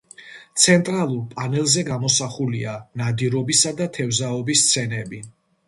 ცენტრალურ პანელზე გამოსახულია ნადირობისა და თევზაობის სცენები.